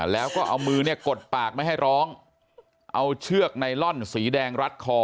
แล้วก็เอามือเนี่ยกดปากไม่ให้ร้องเอาเชือกไนลอนสีแดงรัดคอ